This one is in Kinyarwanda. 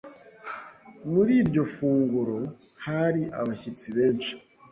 Muri iryo funguro hari abashyitsi benshi?